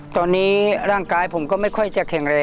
ต้องทำงานมีร่วมต้องกด